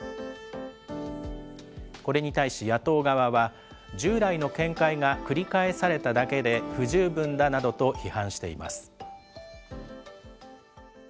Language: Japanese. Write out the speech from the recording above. これに対し野党側は、従来の見解が繰り返されただけで、不十分だなどと批判しています。